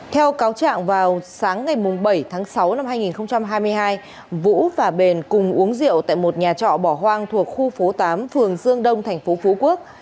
theo cáo trạng vào sáng ngày bảy tháng sáu năm hai nghìn hai mươi hai vũ và bền cùng uống rượu tại một nhà trọ bỏ hoang thuộc khu phố tám phường dương đông thành phố phú quốc